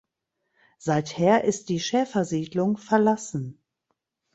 Seither ist die Schäfersiedlung verlassen.